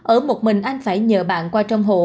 ở một mình anh phải nhờ bạn qua trong hộ